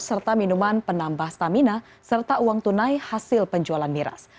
serta minuman penambah stamina serta uang tunai hasil penjualan miras